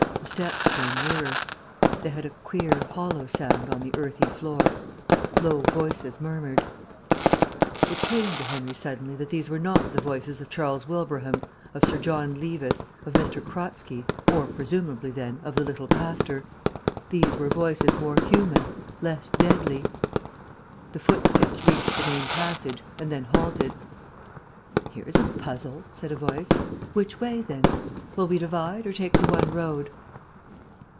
The steps came nearer. They had a queer, hollow sound on the earthy floor. Low voices murmured. It came to Henry suddenly that these were not the voices of Charles Wilbraham, of Sir John Levis, of M. Kratzky, or, presumably then, of the little pastor. These were voices more human, less deadly. The footsteps reached the main passage, and then halted. "Here's a puzzle," said a voice. "Which way, then? Will we divide, or take the one road?"